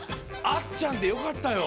あっちゃんでよかったよ。